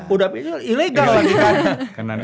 udah pinjol ilegal lagi kan